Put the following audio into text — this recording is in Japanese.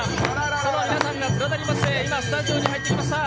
その皆さんが連なりまして今、スタジオに入ってきました。